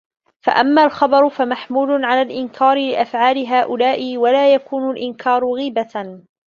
فَأَمَّا الْخَبَرُ فَمَحْمُولٌ عَلَى الْإِنْكَارِ لِأَفْعَالِ هَؤُلَاءِ وَلَا يَكُونُ الْإِنْكَارُ غِيبَةً